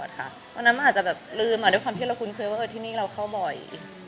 ที่นี่เราเข้าบ่อยอืมแล้วตอนนั้นความรู้สึกแรกเราเป็นยังไง